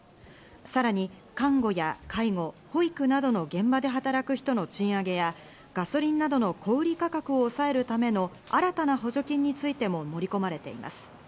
さらに看護や介護、保育などの現場で働く人の賃上げや、ガソリンなどの小売価格を抑えるための新たな補助金についても盛り込まれています。